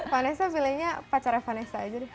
vanessa pilihnya pacarnya vanessa aja deh